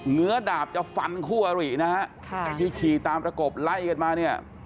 ื้อดาบจะฟันคู่อรินะฮะค่ะที่ขี่ตามประกบไล่กันมาเนี่ย